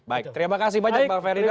baik terima kasih banyak bang ferdinand